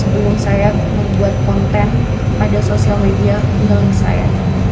sejak kecil ibu saya juga telah membuat konten pada sosial media dalam saya